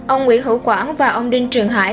ông nguyễn hữu quảng và ông đinh trường hải